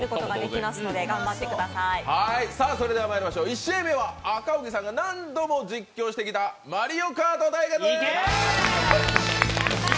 １試合目は赤荻さんが何度も実況してきた「マリオカート対決」。